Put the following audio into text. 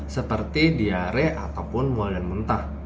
seperti diare ataupun mual dan mentah